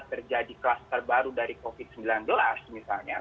terjadi kluster baru dari covid sembilan belas misalnya